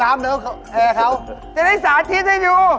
แอร์เขาจะได้สาธิตให้ดู